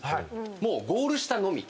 もう、ゴール下のみ。